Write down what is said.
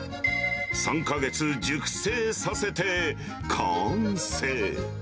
３か月熟成させて完成。